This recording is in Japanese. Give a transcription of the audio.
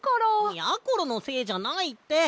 やころのせいじゃないって！